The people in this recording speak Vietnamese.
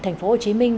thành phố hồ chí minh